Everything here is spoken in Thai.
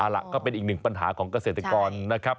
เอาล่ะก็เป็นอีกหนึ่งปัญหาของเกษตรกรนะครับ